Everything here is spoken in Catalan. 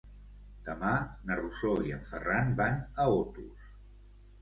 Demà na Rosó i en Ferran van a Otos.